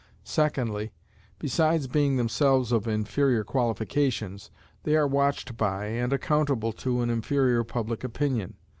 Secondly, besides being themselves of inferior qualifications, they are watched by, and accountable to an inferior public opinion.